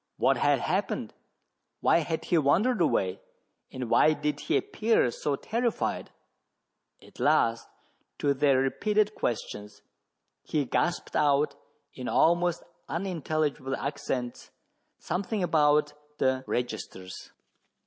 What had happened } why had he wandered away ? and why did he appear so terrified ? At last, to their repeated questions, he gasped out, in almost unintelligible accents, something about the registers.